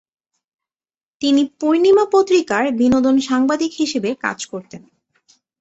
তিনি "পূর্ণিমা" পত্রিকার বিনোদন সাংবাদিক হিসেবে কাজ করতেন।